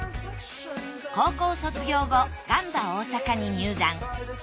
高校卒業後ガンバ大阪に入団。